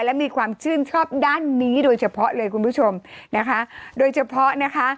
และมีความชื่นชอบด้านนี้โดยเฉพาะเลยคุณผู้ชมนะคะโดยเฉพาะนะคะ